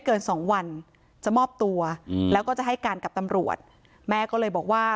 เกินสองวันจะมอบตัวอืมแล้วก็จะให้การกับตำรวจแม่ก็เลยบอกว่า